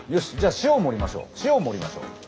塩を盛りましょう。